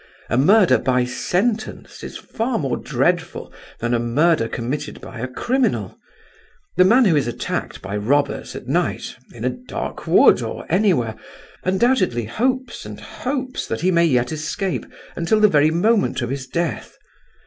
A murder by sentence is far more dreadful than a murder committed by a criminal. The man who is attacked by robbers at night, in a dark wood, or anywhere, undoubtedly hopes and hopes that he may yet escape until the very moment of his death.